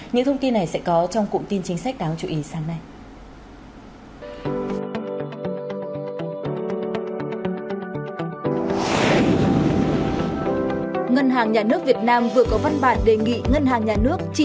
những thông tin này sẽ có trong cụm tin chính sách đáng chú ý sáng nay